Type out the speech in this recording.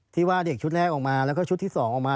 ที่ว่าเด็กชุดแรกออกมาแล้วก็ชุดที่๒ออกมา